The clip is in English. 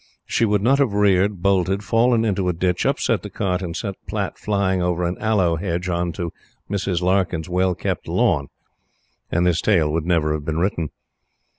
She would not have reared, bolted, fallen into a ditch, upset the cart, and sent Platte flying over an aloe hedge on to Mrs. Larkyn's well kept lawn; and this tale would never have been written.